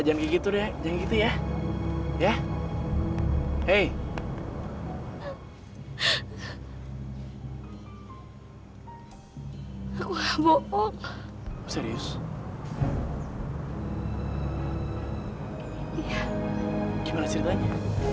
sampai jumpa di video selanjutnya